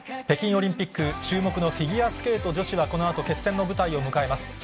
北京オリンピック、注目のフィギュアスケート女子は、このあと決戦の舞台を迎えます。